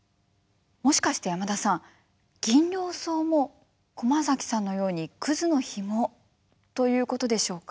もしかして山田さんギンリョウソウも駒崎さんのようにクズのヒモということでしょうか？